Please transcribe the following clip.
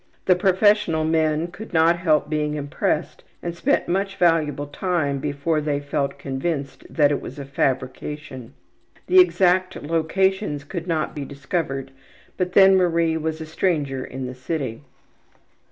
The professional men could not help being impressed and spent much valuable time before they felt convinced that it was a fabrication. The exact locations could not be discovered, but then Marie was a stranger in the city.